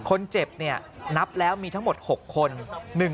คนเจ็บเนี่ยนับแล้วมีทั้งหมด๖คน